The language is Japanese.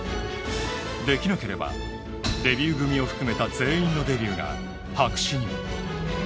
できなければデビュー組を含めた全員のデビューが白紙に。